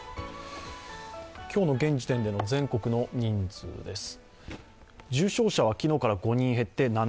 今日の現時点での全国の人数です。